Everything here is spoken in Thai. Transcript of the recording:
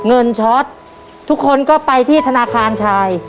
ช็อตทุกคนก็ไปที่ธนาคารชาย